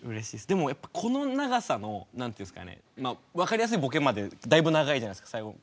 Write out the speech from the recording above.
でもやっぱこの長さの何て言うんですかね分かりやすいボケまでだいぶ長いじゃないですか最後。